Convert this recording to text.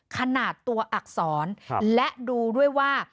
ขนาดตัวอักษรและดูด้วยว่า